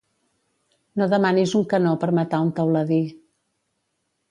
No demanis un canó per matar un teuladí.